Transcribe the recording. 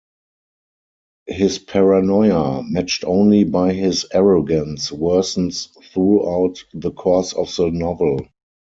His paranoia, matched only by his arrogance, worsens throughout the course of the novel.